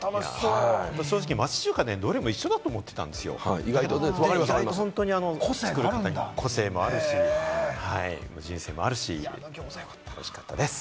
正直、町中華ってどれも一緒だと思っていたんですよ、個性もあるし、人生もあるし、おいしかったです。